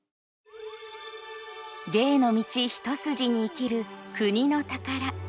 芸の道一筋に生きる国のたから。